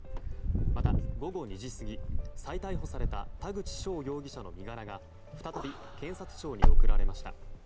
また午後２時過ぎ、再逮捕された田口翔容疑者の身柄が再び検察庁に送られました。